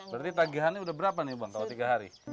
berarti tagihannya udah berapa nih bang kalau tiga hari